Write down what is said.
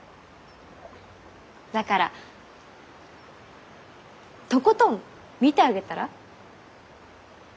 だからとことん見てあげたら？